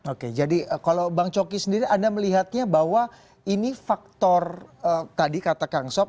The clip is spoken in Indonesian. oke jadi kalau bang coki sendiri anda melihatnya bahwa ini faktor tadi kata kang sob